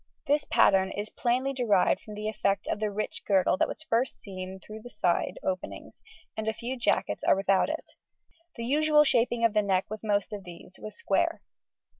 This pattern is plainly derived from the effect of the rich girdle that was at first seen through the side openings and few jackets are without it, the usual shaping of the neck with most of these was square.